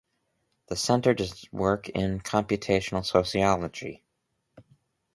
The center does work in Computational sociology.